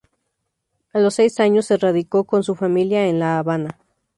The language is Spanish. A los seis años se radicó con su familia en La Habana.